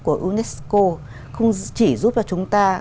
của unesco không chỉ giúp cho chúng ta